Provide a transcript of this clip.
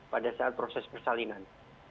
pada saat proses persalinan